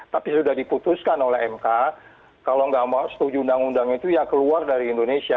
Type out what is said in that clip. tapi sudah diputuskan oleh mk kalau nggak mau setuju undang undang itu ya keluar dari indonesia